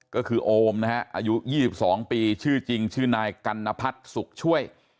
ก็คือโอมนะฮะอายุ๒๒ปีชื่อจริงชื่อนายกัณพัฒน์สุขช่วย